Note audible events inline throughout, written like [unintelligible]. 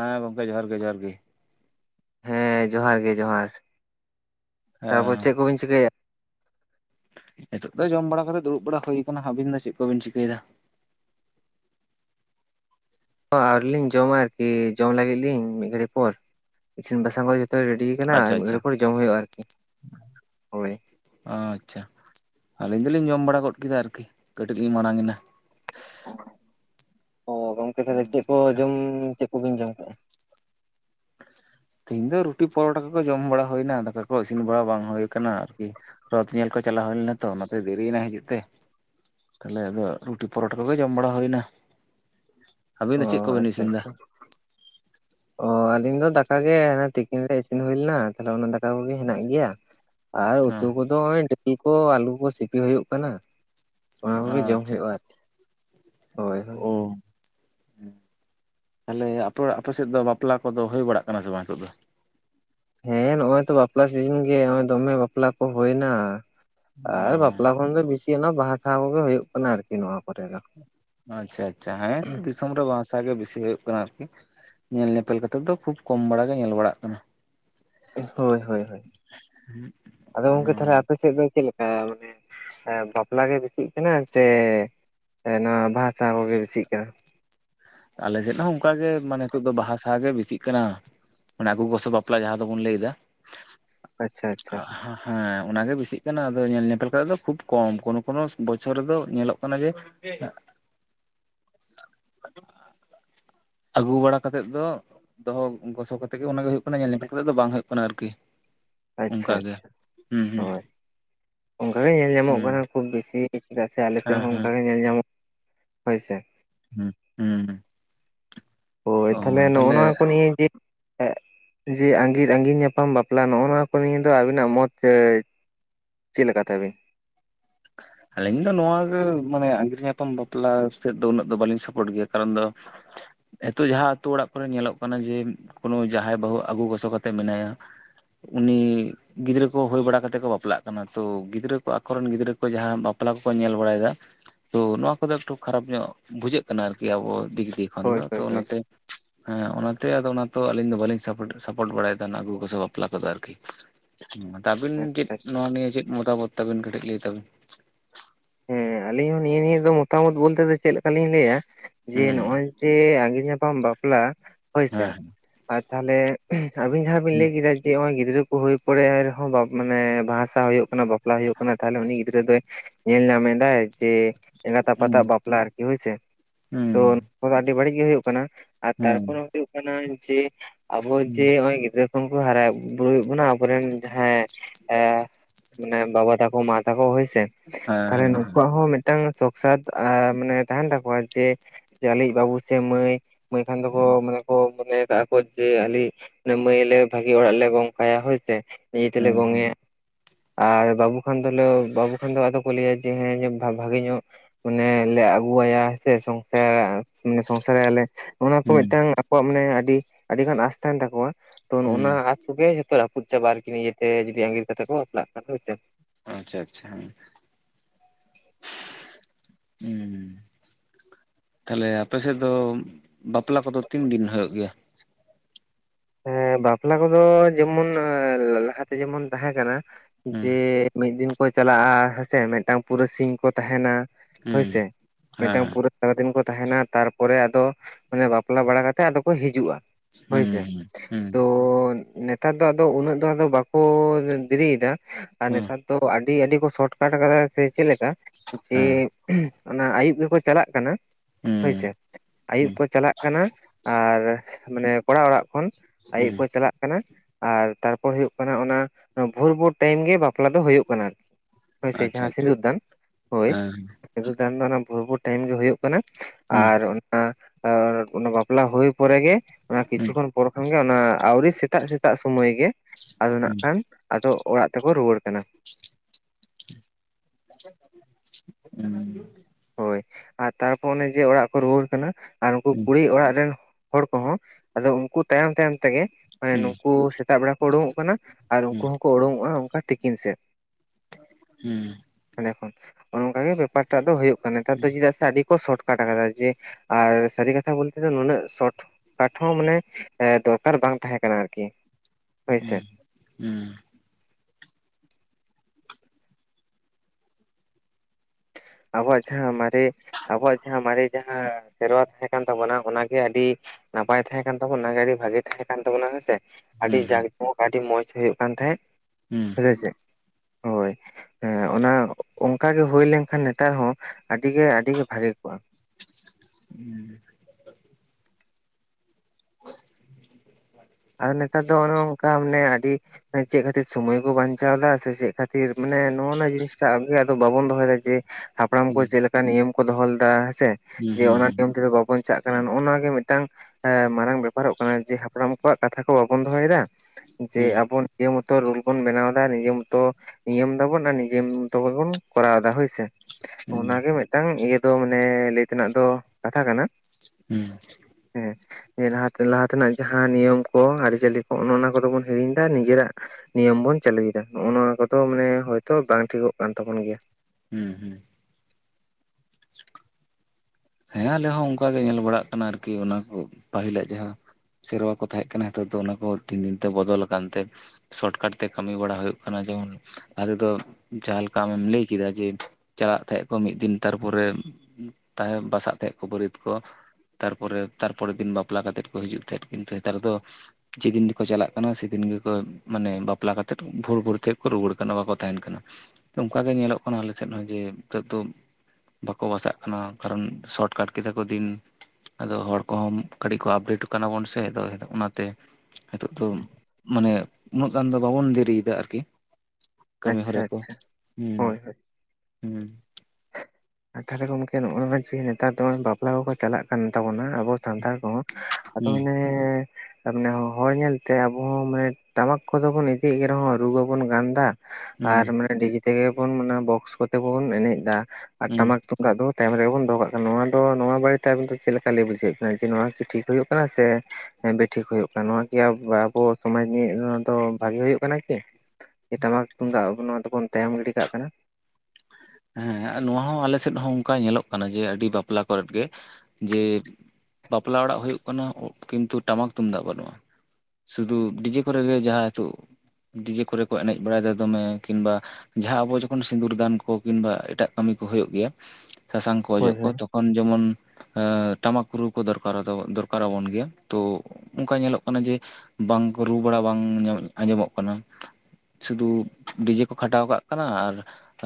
ᱦᱮᱸ ᱜᱚᱝᱠᱮ ᱡᱚᱦᱟᱨ ᱜᱮ ᱡᱚᱦᱟᱨᱜ ᱜᱮ ᱦᱮᱸ ᱡᱚᱦᱟᱨ ᱜᱮ ᱡᱚᱦᱟᱨ ᱦᱮᱸ ᱛᱟᱯᱚᱨ ᱪᱮᱫ ᱠᱚᱵᱤᱱ ᱪᱤᱠᱟᱭᱟ? ᱱᱤᱛᱚᱜ ᱫᱚ ᱡᱚᱢ ᱵᱟᱲᱟ ᱠᱟᱛᱮ ᱫᱩᱲᱩᱵ ᱵᱟᱲᱟ ᱦᱩᱭ ᱟᱠᱟᱱᱟ᱾ ᱟᱹᱵᱤᱱ ᱫᱚ ᱪᱮᱫ ᱠᱚᱵᱤᱱ ᱪᱤᱠᱟᱹᱭᱮᱫᱟ? ᱟᱣᱨᱤᱞᱤᱧ ᱡᱚᱢᱟ ᱟᱨᱠᱤ ᱡᱚᱢ ᱞᱟᱹᱜᱤᱫ ᱞᱤᱧ ᱢᱤᱫ ᱜᱷᱟᱹᱲᱤᱡ ᱯᱚᱨ ᱤᱥᱤᱱ ᱵᱟᱥᱟᱝ ᱠᱚ ᱡᱚᱛᱚ ᱨᱮᱰᱤ ᱠᱟᱱᱟ ᱟᱪᱪᱷᱟ ᱢᱤᱫ ᱜᱷᱟᱱ. ᱟᱪᱪᱷᱟ ᱲᱤᱪ ᱯᱚᱨ ᱡᱚᱢ ᱦᱩᱭᱩᱜᱼᱟ ᱟᱨᱠᱤ ᱦᱳᱭ ᱟᱪᱪᱷᱟ ᱟᱹᱞᱤᱧ ᱫᱚᱞᱤᱧ ᱡᱚᱢ ᱵᱟᱲᱟ ᱜᱚᱫ ᱠᱮᱫᱟ ᱟᱨᱠᱤ ᱠᱟᱹᱴᱤᱡ ᱞᱤᱧ ᱢᱟᱲᱟᱝ ᱮᱱᱟ ᱚ ᱜᱚᱝᱠᱮ ᱛᱟᱦᱚᱞᱮ ᱪᱮᱫ ᱠᱚ ᱡᱚᱢ ᱪᱮᱫ ᱠᱚ ᱵᱤᱱ ᱡᱚᱢ ᱠᱟᱜᱼᱟ ᱛᱮᱦᱤᱧ ᱫᱚ ᱨᱩᱴᱤ ᱯᱚᱨᱚᱴᱟ ᱠᱚᱠᱚ ᱡᱚᱢ ᱵᱟᱲᱟ ᱦᱩᱭᱱᱟ ᱫᱟᱠᱟ ᱠᱚ ᱤᱥᱤᱱ ᱵᱟᱲᱟ ᱵᱟᱝ ᱦᱩᱭ ᱟᱠᱟᱱᱟ ᱟᱨᱠᱤ ᱨᱚᱛ ᱧᱮᱞ ᱠᱚ ᱪᱟᱞᱟᱣ ᱦᱩᱭ ᱞᱮᱱᱟ ᱛᱚ ᱚᱱᱟᱛᱮ ᱫᱮᱨᱤᱭᱮᱱᱟ ᱦᱤᱡᱩᱜ ᱛᱮ ᱛᱟᱦᱞᱮ ᱟᱫᱚ ᱨᱩᱴᱤ ᱯᱚᱨᱚᱴᱟ ᱠᱚᱜᱮ ᱡᱚᱢ ᱵᱟᱲᱟ ᱦᱩᱭ ᱮᱱᱟ ᱚ ᱟᱪᱪᱷᱟ ᱟᱪᱪᱷᱟ ᱚ ᱟᱞᱤᱧ ᱫᱚ ᱫᱟᱠᱟ ᱜᱮ ᱛᱤᱠᱤᱱ ᱨᱮ ᱤᱥᱤᱱ ᱦᱩᱭ ᱞᱮᱱᱟ ᱛᱟᱦᱞᱮ ᱚᱱᱟ ᱫᱟᱠᱟ ᱠᱚᱜᱮ ᱦᱮᱱᱟᱜ ᱜᱮᱭᱟ ᱟᱨ ᱦᱮᱸ ᱩᱛᱩ ᱠᱚᱫᱚ ᱚᱸᱭ [unintelligible] ᱠᱚ ᱟᱹᱞᱩ ᱠᱚ ᱥᱤᱯᱤ ᱦᱩᱭᱩᱜ ᱠᱟᱱᱟ ᱚᱱᱟ ᱠᱚᱜᱮ ᱟᱪᱪᱷᱟ ᱡᱚᱢ ᱟᱪᱪᱷᱟ ᱦᱩᱭᱩᱜᱼᱟ ᱟᱨᱠᱤ᱾ ᱦᱳᱭ ᱦᱳᱭ ᱚ ᱮ ᱟᱯᱮ ᱥᱮᱫ ᱫᱚ ᱵᱟᱯᱞᱟ ᱠᱚᱫᱚ ᱦᱩᱭ ᱵᱟᱲᱟᱜ ᱠᱟᱱᱟ ᱥᱮ ᱵᱟᱝ ᱱᱤᱛᱚᱜ ᱫᱚ? ᱦᱮᱸ ᱱᱚᱜᱼᱚᱭ ᱛᱚ ᱵᱟᱯᱞᱟ ᱥᱤᱡᱤᱱ ᱜᱮ ᱱᱚᱜᱚᱭ ᱫᱚᱢᱮ ᱵᱟᱯᱞᱟ ᱠᱚ ᱦᱩᱭᱱᱟ᱾ ᱚ ᱟᱨ ᱵᱟᱯᱞᱟ ᱠᱷᱚᱱ ᱫᱚ ᱵᱤᱥᱤ ᱚᱱᱟ ᱵᱟᱦᱟ ᱥᱟᱦᱟ ᱠᱚᱜᱮ ᱦᱩᱭᱩᱜ ᱠᱟᱱᱟ ᱟᱨᱠᱤ ᱱᱚᱣᱟ ᱠᱚᱨᱮ ᱫᱚ᱾ ᱟᱪᱪᱷᱟ ᱟᱪᱷᱟ ᱦᱮᱸ‌ᱛᱚ ᱵᱤᱥ ᱫᱤᱥᱚᱢ ᱨᱮ ᱵᱟᱷᱟᱥᱟᱣᱦᱟ ᱜᱮ ᱵᱮᱥᱤ ᱦᱩᱭᱩᱜ ᱠᱟᱱᱟ ᱟᱨᱠᱤ᱾ᱧᱮᱞ ᱧᱮᱯᱮᱞ ᱠᱟᱛᱮᱜ ᱫᱚ ᱠᱷᱩᱵ ᱠᱚᱢ ᱵᱟᱲᱟ ᱜᱮ ᱧᱮᱞ ᱵᱟᱲᱟᱜ ᱠᱟᱱᱟ᱾ ᱦᱳᱭ ᱦᱳᱭ ᱦᱳᱭ ᱟᱫᱚ ᱜᱚᱝᱠᱮ ᱛᱟᱦᱚᱞᱮ ᱟᱯᱮ ᱥᱮᱫ ᱫᱚ ᱪᱮᱫ ᱞᱮᱠᱟ ᱢᱟᱱᱮ? ᱮᱸ ᱵᱟᱯᱞᱟ ᱜᱮ ᱵᱮᱥᱤᱜ ᱠᱟᱱᱟ? ᱥᱮ ᱱᱚᱣᱟ ᱵᱟᱦᱟ ᱥᱟᱣᱦᱟ ᱠᱚᱜᱮ ᱵᱮᱥᱤᱜ ᱠᱟᱱᱟ? ᱟᱞᱮ ᱥᱮᱫ ᱦᱚᱸ ᱚᱱᱠᱟᱜᱮ ᱢᱟᱱᱮ ᱱᱤᱛᱚᱜ ᱫᱚ ᱵᱟᱦᱟ ᱥᱟᱣᱦᱟ ᱜᱮ ᱵᱮᱥᱤᱜ ᱠᱟᱱᱟ᱾ ᱢᱟᱱᱮ ᱟᱹᱜᱩ ᱜᱚᱥᱚ ᱵᱟᱯᱞᱟ ᱡᱟᱦᱟᱸ ᱫᱚᱵᱚᱱ ᱞᱟᱹᱭ ᱫᱟ᱾ ᱟᱪᱪᱷᱟ ᱟᱪᱪᱷᱟ ᱦᱮᱸ ᱚᱱᱟ ᱜᱮ ᱵᱮᱥᱤᱜ ᱠᱟᱱᱟ ᱟᱫᱚ ᱧᱮᱞ ᱧᱮᱯᱮᱞ ᱠᱟᱛᱮ ᱫᱚ ᱠᱷᱩᱵ ᱠᱚᱢ, ᱠᱳᱱᱳ ᱠᱳᱱᱳ ᱵᱚᱪᱷᱚᱨ ᱨᱮᱫᱚ ᱧᱮᱞᱚᱜ ᱠᱟᱱᱟ ᱡᱮ [unintelligible] [inaudible] ᱟᱹᱜᱩ ᱵᱟᱲᱟ ᱠᱟᱛᱮᱫ ᱫᱚ ᱫᱚᱦᱚ ᱜᱚᱥᱚ ᱠᱟᱛᱮᱜ ᱜᱮ ᱚᱱᱟᱜᱮ ᱦᱩᱭᱩᱜ ᱠᱟᱱᱟ ᱧᱮᱞ ᱧᱯᱮᱞ ᱠᱟᱛᱮᱜ ᱫᱚ ᱵᱟᱝ ᱦᱩᱭᱩᱜ ᱠᱟᱱᱟ ᱟᱨᱠᱤ᱾ ᱟᱪᱪᱷᱟ ᱚᱱᱠᱟ ᱜᱮ ᱟᱪᱪᱷᱟ ᱦᱩᱸ ᱦᱩᱸ ᱦᱳᱭ ᱚᱱᱠᱟ ᱜᱮ ᱧᱮᱞ ᱧᱟᱢᱚᱜ ᱦᱩᱸ ᱠᱟᱱᱟ ᱠᱷᱩᱵ ᱵᱤᱥᱤ ᱪᱮᱫᱟᱜ ᱥᱮ ᱟᱞᱮ ᱥᱮᱫ ᱦᱮᱸ ᱦᱚᱸ ᱦᱮᱸ ᱚᱱᱠᱟ ᱜᱮ ᱧᱮᱞ ᱧᱟᱢᱚᱜᱼᱟ ᱠᱟᱱᱟ ᱦᱳᱭ ᱥᱮ᱾ [unintelligible] ᱦᱩᱸᱻ ᱦᱳᱭ ᱛᱟᱦᱚᱞᱮ ᱱᱚᱜᱼᱚ ᱱᱚᱣᱟ ᱠᱚ ᱱᱤᱭ ᱡᱮ ᱡᱮ ᱟᱸᱜᱤᱨ ᱟᱸᱜᱤᱨ ᱧᱟᱯᱟᱢ ᱵᱟᱯᱞᱟ ᱱᱚᱜᱼᱚ ᱱᱚᱣᱟ ᱠᱚ ᱱᱤᱭᱟᱹ ᱫᱚ ᱟᱵᱤᱱᱟᱜ ᱢᱚᱛ ᱪᱮᱫ ᱞᱮᱠᱟ ᱛᱟᱹᱵᱤᱱ? ᱟᱹᱞᱤᱧ ᱫᱚ ᱱᱚᱣᱟ ᱜᱮ ᱢᱟᱱᱮ ᱟᱸᱜᱤᱨᱨ ᱧᱟᱯᱟᱢ ᱵᱟᱯᱞᱟ ᱥᱮᱫ ᱫᱚ ᱩᱱᱟᱹᱜ ᱫᱚ ᱵᱟᱹᱞᱤᱧ ᱥᱟᱯᱳᱴ ᱜᱮᱭᱟ᱾ ᱠᱟᱨᱚᱱ ᱫᱚ [inaudible] ᱱᱤᱛᱳᱜ ᱡᱟᱦᱟᱸ ᱟᱹᱛᱩ ᱚᱲᱟᱜ ᱠᱚᱨᱮ ᱧᱮᱞᱚᱜ ᱠᱟᱱᱟ ᱡᱮ ᱠᱳᱱᱳ ᱡᱟᱦᱟᱸᱟᱭ ᱵᱟᱹᱦᱩ ᱟᱹᱜᱩ ᱜᱚᱥᱚ ᱠᱟᱛᱮᱫ ᱢᱮᱱᱟᱭᱟ, ᱩᱱᱤ ᱜᱤᱫᱽᱨᱟᱹ ᱠᱚ ᱦᱩᱭ ᱵᱟᱲᱟ ᱠᱟᱛᱮᱫ ᱠᱚ ᱵᱟᱯᱞᱟᱜ ᱠᱟᱱᱟ, ᱛᱚ ᱜᱤᱫᱽᱨᱟᱹ ᱠᱚ ᱟᱠᱚᱨ ᱨᱮᱱ ᱜᱤᱫᱽᱨᱟᱹ ᱠᱚ ᱡᱟᱦᱟᱸ ᱵᱟᱯᱞᱟ ᱠᱚᱠᱚ ᱧᱮᱞ ᱵᱟᱲᱟᱭᱮᱫᱟ, ᱛᱚ ᱱᱚᱣᱟ ᱠᱚᱫᱚ ᱮᱠᱴᱩ ᱠᱷᱟᱨᱟᱯ ᱧᱚᱜ ᱵᱩᱡᱷᱟᱹᱜ ᱠᱟᱱᱟ ᱟᱨᱠᱤ ᱟᱵᱚ ᱫᱤᱠ ᱫᱤᱭᱮ ᱠᱷᱚᱱ ᱦᱳᱭ ᱫᱚ, ᱛᱚ ᱦᱳᱭ ᱦᱳᱭ ᱚᱱᱟᱛᱮ ᱦᱮᱸ ᱚᱱᱟᱛᱮ ᱟᱫᱚ ᱚᱱᱟᱫᱚ ᱟᱹᱞᱤᱧ ᱫᱚ ᱵᱟᱹᱞᱤᱧ ᱥᱟᱯᱚᱴ ᱵᱟᱲᱟᱭᱮᱫ ᱟᱹᱜᱩ ᱜᱚᱥᱚ ᱵᱟᱯᱞᱟ ᱠᱚᱫᱚ ᱟᱨᱠᱤ᱾ ᱦᱮ ᱟᱹᱵᱤᱱ ᱟᱪᱪᱷᱟ ᱪᱮᱫ ᱟᱪᱪᱷᱟ ᱱᱚᱣᱟ ᱱᱤᱭᱟᱹ ᱪᱮᱫ ᱢᱚᱛᱟᱢᱚᱛ ᱛᱟᱵᱤᱱ ᱠᱟᱹᱴᱤᱡ ᱞᱟᱹᱭ ᱛᱟᱵᱤᱱ᱾ ᱟᱞᱤᱧ ᱦᱚᱸ ᱱᱤᱭᱟᱹ ᱱᱤᱭᱟᱹ ᱫᱚ ᱢᱚᱛᱟᱢᱚᱛ ᱵᱚᱞᱛᱮ ᱫᱚ ᱪᱮᱫ ᱞᱮᱠᱟ ᱞᱤᱧ ᱞᱟᱹᱭᱟ ᱡᱮ ᱦᱩᱸ ᱱᱚᱜᱼᱚᱭ ᱡᱮ ᱟᱸᱜᱤᱨ ᱧᱟᱯᱟᱢ ᱵᱟᱯᱞᱟ ᱦᱳᱭᱥᱮ᱾ ᱦᱮᱸ ᱟᱨ ᱛᱟᱦᱚᱞᱮ ᱟᱵᱤᱱ ᱡᱟᱦᱟᱸ ᱵᱤᱱ ᱞᱟᱹᱭ ᱠᱮᱫᱟ ᱡᱮ ᱱᱚᱜ ᱚᱚᱭ ᱜᱤᱫᱽᱨᱟᱹ ᱠᱚ ᱦᱩᱭ ᱯᱚᱨᱮ ᱵᱟ ᱢᱟᱱᱮ ᱵᱟᱦᱟᱥᱟᱣᱦᱟ ᱦᱩᱭᱩᱜ ᱠᱟᱱᱟ, ᱵᱟᱯᱞᱟ ᱦᱩᱭᱩᱜ ᱠᱟᱱᱟ ᱛᱟᱦᱚᱞᱮ ᱩᱱᱤ ᱜᱤᱫᱽᱨᱟᱹ ᱫᱚᱭ ᱧᱮᱞ ᱧᱟᱢ ᱮ ᱫᱟᱭ ᱡᱮ ᱮᱸᱜᱟᱛ ᱦᱩᱸ ᱟᱯᱟᱛᱟᱜ ᱵᱟᱯᱞᱟ ᱟᱨᱠᱤ ᱦᱳᱭᱥᱮ, ᱛᱚ ᱦᱩᱸ ᱟᱹᱰᱤ ᱵᱟᱹᱲᱤᱡ ᱜᱮ ᱦᱩᱭᱩᱜ ᱠᱟᱱᱟ, ᱟᱨ ᱦᱩᱸ ᱛᱟᱨᱯᱚᱨᱮ ᱦᱩᱭᱩᱜ ᱠᱟᱱᱟ ᱡᱮ ᱟᱵᱚ ᱦᱩᱸ ᱡᱮ ᱱᱚᱜ ᱚᱭ ᱜᱤᱫᱽᱨᱟᱹ ᱩᱱᱠᱩ ᱦᱟᱨᱟ ᱵᱩᱨᱩᱜ ᱠᱟᱱᱟ ᱟᱵᱚᱨᱮᱱ ᱡᱟᱦᱟᱸᱭ ᱮ ᱢᱟᱱᱮ ᱵᱟᱵᱟ ᱛᱟᱠᱚ ᱢᱟ ᱛᱟᱠᱚ ᱦᱳᱭ ᱥᱮ᱾ ᱦᱮᱸ ᱦᱮᱸ ᱦᱮᱸ ᱦᱚᱸ ᱢᱤᱫᱴᱟᱝ ᱥᱚᱠ ᱥᱟᱫ ᱢᱟᱱᱮ ᱛᱟᱦᱮᱱ ᱛᱟᱠᱚᱣᱟ ᱡᱮ ᱟᱞᱮᱭᱤᱡ ᱵᱟᱹᱵᱩ ᱥᱮ ᱢᱟᱹᱭ ᱢᱟᱹᱭ ᱠᱷᱟᱱ ᱫᱚᱠᱚ ᱢᱟᱱᱮ ᱠᱚ ᱢᱚᱱᱮ ᱠᱟᱜᱼᱟ ᱠᱚ ᱡᱮ ᱟᱞᱮᱭᱤᱡ ᱢᱟᱹᱭ ᱞᱮ ᱵᱷᱟᱜᱤ ᱚᱲᱟᱜ ᱨᱮᱞᱮ ᱜᱚᱝᱠᱟᱭᱟ ᱦᱳᱭ ᱥᱮ᱾ ᱱᱤᱡᱮ ᱛᱮᱞᱮ ᱦᱮᱸ ᱦᱮᱸ ᱜᱚᱝᱜᱮᱭᱟ ᱟᱨ ᱵᱟᱹᱵᱩ ᱠᱷᱟᱱ ᱫᱚᱞᱮ ᱵᱟᱹᱩ ᱠᱷᱟᱱ ᱫᱚ ᱟᱫᱚ ᱠᱚ ᱞᱟᱹᱭᱟ ᱡᱮ ᱦᱮᱸ ᱵᱷᱟ ᱵᱷᱟᱜᱮ ᱧᱚᱜ ᱢᱟᱱᱮ ᱞᱮ ᱟᱹᱜᱩ ᱟᱭᱟ ᱥᱮ ᱥᱚᱝᱥᱟᱨ ᱢᱟᱱᱮ ᱥᱚᱝᱥᱟᱨᱟᱭᱟᱞᱮ᱾ ᱚᱱᱟ ᱦᱮᱸ ᱠᱚ ᱦᱩᱸ ᱢᱤᱫ ᱴᱟᱝ ᱟᱠᱚᱣᱟᱜ ᱢᱟᱱᱮ ᱟᱹᱰᱤ ᱟᱹᱰᱤ ᱜᱟᱱ ᱟᱥ ᱛᱟᱦᱮᱱ ᱛᱟᱠᱚᱣᱟ ᱛᱚ ᱱᱚᱜᱼᱚ ᱦᱩᱸ ᱱᱚᱶᱟ ᱡᱚᱛᱚ ᱨᱟᱯᱩᱫ ᱪᱟᱵᱟᱜᱼᱟ ᱟᱨᱠᱤ ᱱᱤᱡᱮᱛᱮ ᱡᱩᱫᱤ ᱟᱸᱜᱤᱨ ᱠᱟᱛᱮ ᱠᱚ ᱵᱟᱯᱞᱟᱜ ᱠᱷᱟᱱ ᱦᱳᱭ ᱥᱮ ᱟᱪᱪᱷᱟ ᱟᱪᱪᱷᱟ ᱦᱮᱸ [inaudible] ᱦᱮᱸ ᱛᱟᱦᱞᱮ ᱟᱯᱮ ᱥᱮᱫ ᱫᱚ ᱵᱟᱯᱞᱟ ᱠᱚᱫᱚ ᱛᱤᱱ ᱫᱤᱱ ᱦᱩᱭᱩᱜ ᱜᱮᱭᱟ? ᱵᱟᱯᱞᱟ ᱠᱚᱫᱚ ᱡᱮᱢᱚᱱ ᱞᱟᱦᱟᱛᱮ ᱡᱮᱢᱚᱱ ᱛᱟᱦᱮᱸ ᱠᱟᱱᱟ ᱦᱩᱸ ᱡᱮ ᱢᱤᱫ ᱫᱤᱱ ᱠᱚ ᱪᱟᱞᱟᱜᱼᱟ ᱦᱮᱸᱥᱮ ᱢᱤᱫ ᱴᱟᱝ ᱯᱩᱨᱟᱹ ᱥᱤᱧ ᱠᱚ ᱛᱟᱦᱮᱱᱟ ᱦᱩᱸ ᱦᱳᱭᱥᱮ ᱢᱤᱫ ᱦᱮᱸ ᱴᱟᱝ ᱯᱩᱨᱟᱹ ᱥᱟᱨᱟ ᱫᱤᱱ ᱠᱚ ᱛᱟᱦᱮᱱᱟ ᱛᱟᱨᱯᱚᱨᱮ ᱟᱫᱚ ᱢᱟᱱᱮ ᱵᱟᱯᱞᱟ ᱵᱟᱲᱟ ᱠᱟᱛᱮᱜ ᱟᱫᱚ ᱠᱚ ᱦᱤᱡᱩᱜᱼᱟ, ᱦᱮᱸ ᱦᱳᱭᱥᱮ᱾ ᱦᱩᱸ ᱛᱚ [inaudible] ᱱᱮᱛᱟᱨ ᱫᱚ ᱟᱫᱚ ᱩᱱᱟᱹᱜ ᱫᱚ ᱟᱫᱚ ᱵᱟᱠᱚ ᱫᱮᱨᱤᱭᱫᱟ᱾ ᱟᱨ ᱱᱮᱛᱟᱨ ᱫᱚ ᱟᱰᱤ ᱟᱹᱰᱤ ᱠᱚ ᱥᱚᱴᱠᱟᱴ ᱟᱠᱟᱫᱟ ᱥᱮ ᱪᱮᱫ ᱞᱮᱠᱟ? ᱡᱮ ᱦᱮᱸ ᱦᱮᱸ ᱚᱱᱟ ᱟᱹᱭᱩᱵ ᱜᱮᱠᱚ ᱪᱟᱞᱟᱜ ᱠᱟᱱᱟ᱾ ᱦᱳᱭᱥᱮ, ᱟᱹᱭᱩᱵ ᱦᱩᱸ ᱠᱚ ᱪᱟᱞᱟᱜ ᱠᱟᱱᱟ ᱟᱨ ᱢᱟᱱᱮ ᱠᱚᱲᱟ ᱚᱲᱟᱜ ᱠᱷᱚᱱ᱾ ᱟᱹᱭᱩᱵ ᱦᱩᱸ ᱠᱚ ᱪᱟᱞᱟᱜ ᱠᱟᱱᱟ᱾ ᱟᱨ ᱛᱟᱨᱯᱚᱨ ᱦᱩᱭᱩᱜ ᱠᱟᱱᱟ ᱚᱱᱟ ᱵᱷᱳᱨ ᱵᱷᱳᱨ ᱴᱟᱭᱤᱢ ᱜᱮ ᱵᱟᱯᱞᱟ ᱫᱚ ᱦᱩᱭᱩᱜ ᱠᱟᱱᱟ ᱟᱨ᱾ ᱦᱳᱭᱥᱮ ᱟᱪᱪᱷᱟ ᱡᱟᱦᱟᱸ ᱟᱪᱪᱷᱟ ᱥᱤᱸᱫᱩᱨ ᱫᱟᱱ᱾ ᱦᱳᱭ, ᱦᱮᱸ ᱥᱤᱸᱫᱩᱨ ᱫᱟᱱ ᱫᱚ ᱚᱱᱟ ᱵᱷᱳᱨᱵᱷᱳᱨ ᱴᱟᱭᱤᱢ ᱜᱮ ᱦᱩᱭᱩᱜ ᱠᱟᱱᱟ᱾ ᱦᱩᱸ ᱟᱨ ᱚᱱᱟ ᱚ ᱵᱟᱯᱞᱟ ᱦᱩᱭ ᱯᱚᱨᱮᱜᱮ ᱚᱱᱟ ᱦᱩᱸ ᱠᱤᱪᱷᱩ ᱠᱷᱚᱱ ᱛᱟᱨᱯᱚᱨ ᱠᱷᱟᱱᱜ ᱜᱮ ᱚᱱᱟ ᱟᱹᱣᱨᱤ ᱥᱮᱛᱟᱜ ᱥᱮᱛᱟᱜ ᱥᱩᱢᱟᱹᱭ ᱜᱮ ᱟᱫᱚ ᱱᱟᱜ ᱦᱩᱸ ᱠᱷᱟᱱ ᱟᱫᱚ ᱚᱲᱟᱜ ᱛᱮᱠᱚ ᱨᱩᱣᱟᱹᱲ ᱠᱟᱱᱟ [inaudible] ᱦᱩᱸ ᱦᱳᱭ, ᱟᱨ ᱛᱟᱨᱯᱚᱨ ᱚᱱᱮ ᱡᱮ ᱚᱲᱟᱜ ᱠᱚ ᱨᱩᱣᱟᱹᱲ ᱠᱟᱱᱟ, ᱟᱨ ᱩᱱᱠᱩ ᱦᱩᱸ ᱦᱩᱸ ᱠᱩᱲᱤ ᱚᱲᱟᱜ ᱨᱮᱱ ᱦᱚᱲ ᱠᱚᱦᱚᱸ ᱟᱫᱚ ᱩᱱᱠᱩ ᱛᱟᱭᱚᱢ ᱛᱟᱭᱚᱢ ᱛᱮᱜᱮ ᱢᱟᱱᱮ ᱦᱩᱸ ᱱᱩᱠᱩ ᱥᱮᱛᱟᱜ ᱵᱮᱲᱟ ᱠᱚ ᱩᱰᱩᱝᱚᱜ ᱠᱟᱱᱟ, ᱟᱨ ᱦᱩᱸ ᱦᱩᱸ ᱦᱩᱸ ᱦᱩᱸ ᱦᱩᱸ ᱦᱩᱸ ᱦᱩᱸ ᱩᱝᱠᱩ ᱦᱚᱸᱠᱚ ᱩᱰᱩᱝᱚᱜᱼᱟ ᱚᱱᱠᱟ ᱛᱤᱠᱤᱱ ᱥᱮᱫ᱾ ᱚᱸᱰᱮ ᱠᱷᱚᱱ ᱜᱮ, ᱚᱱᱠᱟᱜ ᱜᱮ ᱵᱮᱯᱟᱨ ᱴᱟᱜ ᱫᱚ ᱦᱩᱭᱩᱜ ᱱᱮᱛᱟᱨ ᱫᱚ ᱪᱮᱫᱟᱜ ᱥᱮ ᱟᱹᱰᱤ ᱠᱚ ᱥᱚᱨᱚᱴ ᱠᱟᱴ ᱟᱠᱟᱫᱟ᱾ ᱡᱮ ᱟᱨ ᱥᱟᱹᱨᱤ ᱠᱟᱛᱷᱟ ᱵᱚᱞᱛᱮ ᱱᱩᱱᱟᱹᱜ ᱥᱚᱨᱴ ᱠᱟᱴᱷ ᱦᱚᱸ ᱢᱟᱱᱮ ᱮᱸ ᱫᱚᱨᱠᱟᱨ ᱵᱟᱝ ᱛᱟᱦᱮᱸ ᱠᱟᱱᱟ ᱟᱨᱠᱤ ᱦᱳᱭᱥᱮ᱾ ᱦᱩᱸ᱾ ᱟᱵᱚᱣᱟᱜ ᱡᱟᱦᱟᱸ ᱢᱟᱨᱮ ᱟᱵᱚᱣᱟᱜ ᱡᱟᱦᱟᱸ ᱢᱟᱨᱮ ᱡᱟᱦᱟᱸ ᱥᱮᱨᱣᱟ ᱛᱟᱦᱮᱸ ᱠᱟᱱ ᱛᱟᱵᱚᱱᱟ ᱚᱱᱟᱜᱮ ᱟᱹᱰᱤ ᱱᱟᱯᱟᱭ ᱛᱟᱦᱮᱸ ᱠᱟᱱ ᱛᱟᱵᱚᱱᱟ᱾ ᱠᱟᱹᱰᱤ ᱵᱷᱟᱜᱤ ᱛᱟᱦᱮᱸ ᱠᱟᱱ ᱛᱟᱵᱚᱱᱟ ᱦᱮᱸᱥᱮ᱾ ᱟᱹᱰᱤ ᱡᱟᱸᱠ ᱡᱚᱢᱚᱠ ᱟᱹᱰᱤ ᱢᱚᱸᱡᱽ ᱦᱳᱭᱳᱜ ᱠᱟᱱ ᱛᱟᱦᱮᱸᱜ᱾ ᱦᱮᱸ ᱥᱮᱪᱮᱜ? ᱦᱳᱭ, ᱦᱮᱸ ᱚᱱᱟ ᱚᱝᱠᱟ ᱜᱮ ᱦᱩᱭ ᱞᱮᱱ ᱠᱷᱟᱱ ᱛᱟᱨ ᱦᱚᱸ ᱟᱹᱰᱤ ᱜᱮ ᱟᱹᱰᱤ ᱜᱮ ᱵᱷᱟᱜᱤ ᱠᱚᱜᱼᱟ᱾ [inaudible] ᱟᱨ ᱱᱮᱛᱟᱨ ᱫᱚ ᱚᱱᱮ ᱚᱝᱠᱟ ᱢᱟᱱᱮ ᱟᱹᱰᱤ ᱪᱮᱫ ᱠᱷᱟᱹᱛᱤᱨ ᱥᱚᱢᱚᱭ ᱠᱚ ᱵᱟᱧᱪᱟᱣ ᱫᱟ ᱥᱮ ᱪᱮᱫ ᱠᱷᱟᱹᱛᱤᱨ ᱢᱟᱱᱮ ᱱᱚᱜᱼ ᱱᱚᱣᱟ ᱡᱤᱱᱤᱥᱴᱟᱜ ᱜᱮ ᱟᱵᱚ ᱵᱟᱵᱚᱱ ᱫᱚᱦᱚᱭᱮᱫᱟ ᱡᱮ ᱦᱟᱯᱲᱟᱢ ᱠᱚ ᱪᱮᱫ ᱞᱮᱠᱟ ᱱᱤᱭᱚᱢ ᱠᱚ ᱫᱚᱦᱚ ᱞᱮᱫᱟ ᱦᱮᱸᱥᱮ᱾ ᱡᱮ ᱚᱱᱟ ᱱᱤᱭᱚᱢ ᱛᱮᱫᱚ ᱵᱟᱵᱚᱱ ᱪᱟᱜ ᱠᱟᱱᱟ, ᱱᱚᱜ ᱚ ᱱᱚᱣᱟ ᱜᱮ ᱢᱤᱫᱴᱟᱝ ᱮ ᱢᱟᱨᱟᱝ ᱵᱮᱯᱟᱨᱚᱜ ᱠᱟᱱᱟ ᱡᱮ ᱦᱟᱯᱲᱟᱢ ᱠᱚᱣᱟᱜ ᱠᱟᱛᱷᱟ ᱠᱚ ᱵᱟᱵᱚᱱ ᱫᱚᱦᱚᱭᱮᱫᱟ, ᱡᱮ ᱟᱵᱚ ᱱᱤᱭᱟᱹ ᱢᱚᱛᱚ ᱨᱩᱞ ᱵᱚᱱ ᱵᱮᱱᱟᱣ ᱮᱫᱟ ᱱᱤᱭᱟᱹ ᱢᱚᱛᱚ ᱱᱤᱭᱚᱢ ᱫᱟᱵᱚᱱ ᱟᱨ ᱱᱤᱡᱮᱢ ᱛᱚ ᱵᱚᱱ ᱠᱚᱨᱟᱣ ᱫᱟ ᱦᱳᱭᱥᱮ᱾ ᱚᱱᱟᱜᱮ ᱦᱩᱸ ᱢᱤᱫᱴᱟᱝ ᱤᱭᱟᱹ ᱫᱚ ᱢᱟᱱᱮ ᱞᱟᱹᱭ ᱛᱮᱱᱟᱜ ᱫᱚ ᱠᱟᱛᱷᱟ ᱠᱟᱱᱟ᱾ ᱦᱩᱸ ᱦᱮᱸ, ᱱᱤᱭᱟᱹ ᱞᱟᱦᱟᱛᱮ ᱞᱟᱦᱟ ᱛᱮᱱᱟᱜ ᱡᱟᱦᱟᱸ ᱱᱤᱭᱚᱢ ᱠᱚ ᱟᱹᱨᱤᱪᱟᱹᱞᱤ ᱠᱚ ᱚᱱᱮ ᱚᱱᱟ ᱠᱚᱫᱚ ᱵᱚᱱ ᱦᱤᱲᱤᱧ ᱫᱟ᱾ ᱱᱤᱡᱮᱨᱟᱜ ᱱᱤᱭᱚᱢ ᱵᱚᱱ ᱪᱟᱹᱞᱩᱭᱫᱟ ᱱᱚᱜ-ᱚ ᱱᱚᱣᱟ ᱠᱚᱫᱚ ᱢᱟᱱᱮ ᱦᱚᱭᱛᱚ ᱵᱟᱝ ᱴᱷᱤᱠᱚᱜ ᱠᱟᱱ ᱛᱟᱵᱚᱱ ᱜᱮᱭᱟ᱾ ᱦᱩᱸᱦᱩ ᱦᱮᱸ ᱟᱞᱮ ᱦᱚᱸ ᱚᱱᱠᱟ ᱜᱮ ᱧᱮᱞ ᱵᱟᱲᱟᱜ ᱠᱟᱱᱟ ᱟᱨᱠᱤ, ᱚᱱᱟ ᱠᱚ ᱯᱟᱹᱦᱤᱞᱟᱜ ᱡᱟᱦᱟᱸ ᱥᱮᱨᱣᱟ ᱠᱚ ᱛᱟᱦᱮᱸ ᱠᱟᱱᱟ ᱱᱤᱛᱚᱜ ᱫᱚ ᱚᱱᱟ ᱠᱚ ᱫᱤᱱ ᱫᱤᱱ ᱛᱮ ᱵᱚᱫᱚᱞ ᱟᱠᱟᱱ ᱛᱮ᱾ ᱥᱚᱴᱠᱟᱴ ᱛᱮ ᱠᱟᱹᱢᱤ ᱵᱟᱲᱟ ᱦᱩᱭᱩᱜ ᱠᱟᱱᱟ᱾ ᱡᱮᱢᱚᱱ ᱟᱞᱮ ᱫᱚ, ᱡᱟᱦᱟᱸ ᱞᱮᱠᱟ ᱟᱢᱮᱢ ᱞᱟᱹᱭ ᱠᱮᱫᱟ ᱡᱮ ᱪᱟᱞᱟᱜ ᱛᱟᱦᱮᱸᱜ ᱠᱚ ᱢᱤᱫ ᱫᱤᱱ ᱛᱟᱨᱯᱚᱨᱮ ᱛᱟᱦᱮᱸ ᱵᱟᱥᱟᱜ ᱛᱟᱦᱮᱸᱫ ᱠᱚ ᱵᱟᱹᱨᱭᱟᱹᱛ ᱠᱚ ᱛᱟᱨᱯᱚᱨᱮ, ᱛᱟᱨᱯᱚᱨᱮ ᱫᱤᱱ ᱵᱟᱯᱞᱟ ᱠᱟᱛᱮᱜ ᱠᱚ ᱦᱤᱡᱩᱜ ᱛᱟᱦᱮᱸᱫ, ᱠᱤᱱᱛᱩ ᱱᱮᱛᱟᱨ ᱫᱚ ᱡᱮᱫᱤᱱ ᱜᱮᱠᱚ ᱪᱟᱞᱟᱜ ᱠᱟᱱᱟ ᱥᱮᱫᱤᱱ ᱜᱮᱠᱚ ᱢᱟᱱᱮ ᱵᱟᱯᱞᱟ ᱠᱟᱛᱮᱫ ᱵᱷᱳᱨ ᱵᱷᱳᱨ ᱛᱮ ᱠᱚ ᱨᱩᱣᱟᱹᱲ ᱠᱟᱱᱟ ᱵᱟᱠᱚ ᱛᱟᱦᱮᱱ ᱠᱟᱱᱟ᱾ ᱚᱝᱠᱟᱜᱮ ᱧᱮᱞᱚᱜ ᱠᱟᱱᱟ ᱟᱞᱮᱥᱮᱫ ᱦᱚᱸ ᱡᱮ ᱱᱤᱛᱚᱜ ᱫᱚ ᱵᱟᱠᱚ ᱵᱟᱥᱟᱜ ᱠᱟᱱᱟ᱾ ᱠᱟᱨᱚᱱ ᱥᱚᱴ ᱠᱟᱴ ᱠᱮᱫᱟ ᱠᱚ ᱫᱤᱱ, ᱟᱫᱚ ᱦᱚᱲ ᱠᱚᱦᱚᱸ ᱠᱟᱹᱴᱤᱡ ᱠᱚ ᱟᱯᱰᱮᱴ ᱠᱟᱱᱟ ᱵᱚᱱ ᱥᱮ ᱟᱫᱚ ᱚᱱᱟᱛᱮ᱾ ᱱᱤᱛᱚᱜ ᱫᱚ ᱢᱟᱱᱮ ᱩᱱᱟᱹᱜ ᱜᱟᱱ ᱫᱚ ᱵᱟᱵᱚᱱ ᱫᱮᱨᱤᱭᱫᱟ ᱟᱨᱠᱤ᱾ ᱠᱟᱹᱢᱤ ᱟᱪᱪᱷᱟ ᱦᱚᱨᱟ ᱠᱚ᱾ ᱟᱪᱪᱷᱟ ᱦᱩᱸ, ᱦᱳᱭ ᱦᱳᱭ ᱦᱩᱸ, ᱟᱨ ᱛᱟᱦᱚᱞᱮ ᱜᱚᱝᱠᱮ ᱱᱚᱜᱼᱚᱭ ᱱᱚᱶᱟ ᱡᱮ ᱱᱮᱛᱟᱨ ᱫᱚ ᱵᱟᱯᱞᱟ ᱠᱚ ᱠᱚ ᱪᱟᱞᱟᱜ ᱠᱟᱱ ᱛᱟᱵᱚᱱᱟ ᱟᱵᱚ ᱥᱟᱱᱛᱟᱲ ᱠᱚᱦᱚᱸ ᱟᱫᱚ ᱦᱩᱸ ᱚᱱᱮ ᱛᱟᱨᱢᱟᱱᱮ ᱦᱚᱲ ᱧᱮᱞᱛᱮ ᱟᱵᱚ ᱦᱚᱸ ᱢᱟᱱᱮ ᱴᱟᱢᱟᱠ ᱠᱚᱫ ᱵᱩᱱ ᱤᱫᱤᱭ ᱜᱮ ᱨᱮᱦᱚᱸ ᱨᱩ ᱵᱟᱹᱵᱩᱱ ᱜᱟᱱᱫᱟ ᱦᱩᱸ ᱟᱨ ᱢᱟᱱᱮ ᱰᱤᱡᱮ ᱛᱮᱜᱮ ᱵᱚᱱ ᱵᱚᱠᱥ ᱠᱚ ᱛᱮ ᱵᱚᱱ ᱮᱱᱮᱡ ᱫᱟ ᱟᱨ ᱦᱩᱸ ᱴᱟᱢᱟᱠ ᱛᱩ ᱫᱟᱜ ᱫᱚ ᱛᱟᱭᱚᱢ ᱨᱮᱜᱮ ᱵᱚᱱ ᱫᱚᱦᱚ ᱠᱟᱜ ᱠᱟᱱᱟ ᱱᱚᱶᱟ ᱫᱚ ᱱᱚᱶᱟ ᱵᱟᱨᱮᱛᱮ ᱟᱵᱤᱱ ᱫᱚ ᱪᱮᱫ ᱞᱮᱠᱟ ᱞᱟᱹᱭ ᱵᱩᱡᱷᱟᱹᱣᱮᱫ ᱠᱟᱱᱟ ᱡᱮ ᱱᱚᱶᱟ ᱠᱤ ᱴᱷᱤᱠ ᱦᱩᱭᱩᱜ ᱠᱟᱱᱟ ᱥᱮ ᱦᱮᱸ ᱵᱮ ᱴᱷᱤᱠ ᱦᱩᱭᱩᱜ ᱠᱟᱱᱟ ᱱᱚᱶᱟ ᱜᱮ ᱟᱵᱚᱣᱟ ᱟᱵᱩ ᱥᱚᱢᱟᱡᱽ ᱱᱤᱭᱟᱹ ᱱᱚᱶᱟ ᱫᱚ ᱵᱷᱟᱜᱤ ᱦᱩᱭᱩᱜ ᱠᱟᱱᱟ ᱠᱤ ᱴᱟᱢᱟᱠ ᱛᱩᱢᱫᱟᱜ ᱱᱚᱶᱟ ᱫᱚᱵᱚᱱ ᱛᱟᱭᱚᱢ ᱜᱤᱰᱤ ᱠᱟᱜ ᱠᱟᱱᱟ ᱦᱮᱸ ᱦᱮᱸ ᱱᱚᱶᱟ ᱦᱚᱸ ᱟᱞᱮ ᱥᱮᱫ ᱦᱚᱸ ᱚᱱᱠᱟ ᱧᱮᱞᱚᱜ ᱠᱟᱱᱟ ᱡᱮ ᱟᱹᱰᱤ ᱵᱟᱯᱞᱟ ᱠᱚᱨᱮ ᱜᱮ ᱡᱮ ᱵᱟᱯᱞᱟ ᱚᱲᱟᱜ ᱦᱩᱭᱩᱜ ᱳ ᱠᱟᱱᱟ ᱠᱤᱱᱛᱩ ᱴᱟᱢᱟᱠ ᱛᱩᱢᱫᱟᱜ ᱵᱟᱹᱱᱩᱜᱼᱟ ᱥᱩᱫᱷᱩ ᱰᱤᱡᱮ ᱠᱚᱨᱮ ᱜᱮ ᱡᱟᱦᱟᱸ ᱤᱛᱩᱜ ᱰᱤᱡᱮ ᱠᱚᱨᱮ ᱠᱚ ᱮᱱᱮᱡ ᱵᱟᱲᱟᱭᱫᱟ ᱫᱚᱢᱮ, ᱠᱤᱱᱵᱟ ᱡᱟᱦᱟᱸ ᱟᱵᱚ ᱡᱚᱠᱷᱚᱱ ᱥᱤᱸᱫᱩᱨ ᱫᱟᱱ ᱠᱚ ᱠᱚ ᱠᱤᱱᱵᱟ ᱮᱴᱟᱜ ᱠᱟᱹᱢᱤ ᱠᱚ ᱦᱩᱭᱩᱜ ᱜᱮᱭᱟ ᱥᱟᱥᱟᱝ ᱠᱚ ᱦᱳᱭ ᱚᱡᱚᱜ ᱠᱚ ᱦᱳᱭ ᱛᱚᱠᱷᱚᱱ ᱡᱮᱢᱚᱱ ᱟ ᱛᱟᱢᱟᱠᱩᱨ ᱠᱚ ᱫᱚᱨᱠᱟᱨ ᱫᱚᱨᱠᱟᱨᱟᱵᱚᱱ ᱜᱮᱭᱟ ᱛᱚ ᱚᱱᱠᱟ ᱧᱮᱞᱚᱜ ᱠᱟᱱᱟ ᱡᱮ ᱵᱟᱸᱢ ᱠᱩ ᱨᱩ ᱵᱟᱲᱟ ᱵᱟᱝ ᱟᱸᱡᱚᱢᱚᱜ ᱠᱟᱱᱟ᱾ ᱥᱩᱫᱩ ᱰᱤᱡᱮ ᱠᱚ ᱠᱷᱟᱴᱟᱣ ᱠᱟᱜ ᱠᱟᱱᱟ